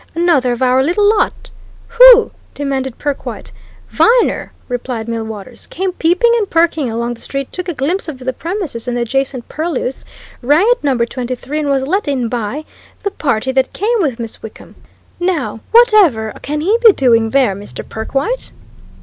Another of our little lot!" "Who?" demanded Perkwite. "Viner!" replied Millwaters. "Came peeping and perking along the street, took a glimpse of the premises and the adjacent purlieus, rang at Number 23, and was let in by the party that came with Miss Wickham! Now, whatever can he be doing there, Mr. Perkwite?"